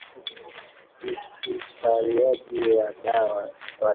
Ukusanyaji wa Data